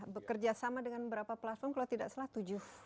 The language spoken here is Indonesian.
bekerja sama dengan berapa platform kalau tidak salah tujuh